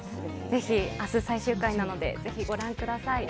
ぜひ明日、最終回なのでご覧ください。